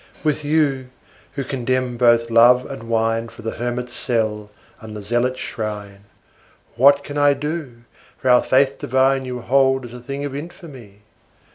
With you, who contemn both love and wine2 for the hermit's cell and the zealot's shrine, What can I do, for our Faith divine you hold as a thing of infamy?